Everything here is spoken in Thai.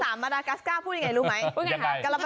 มาดากัสก้าพูดยังไงรู้ไหม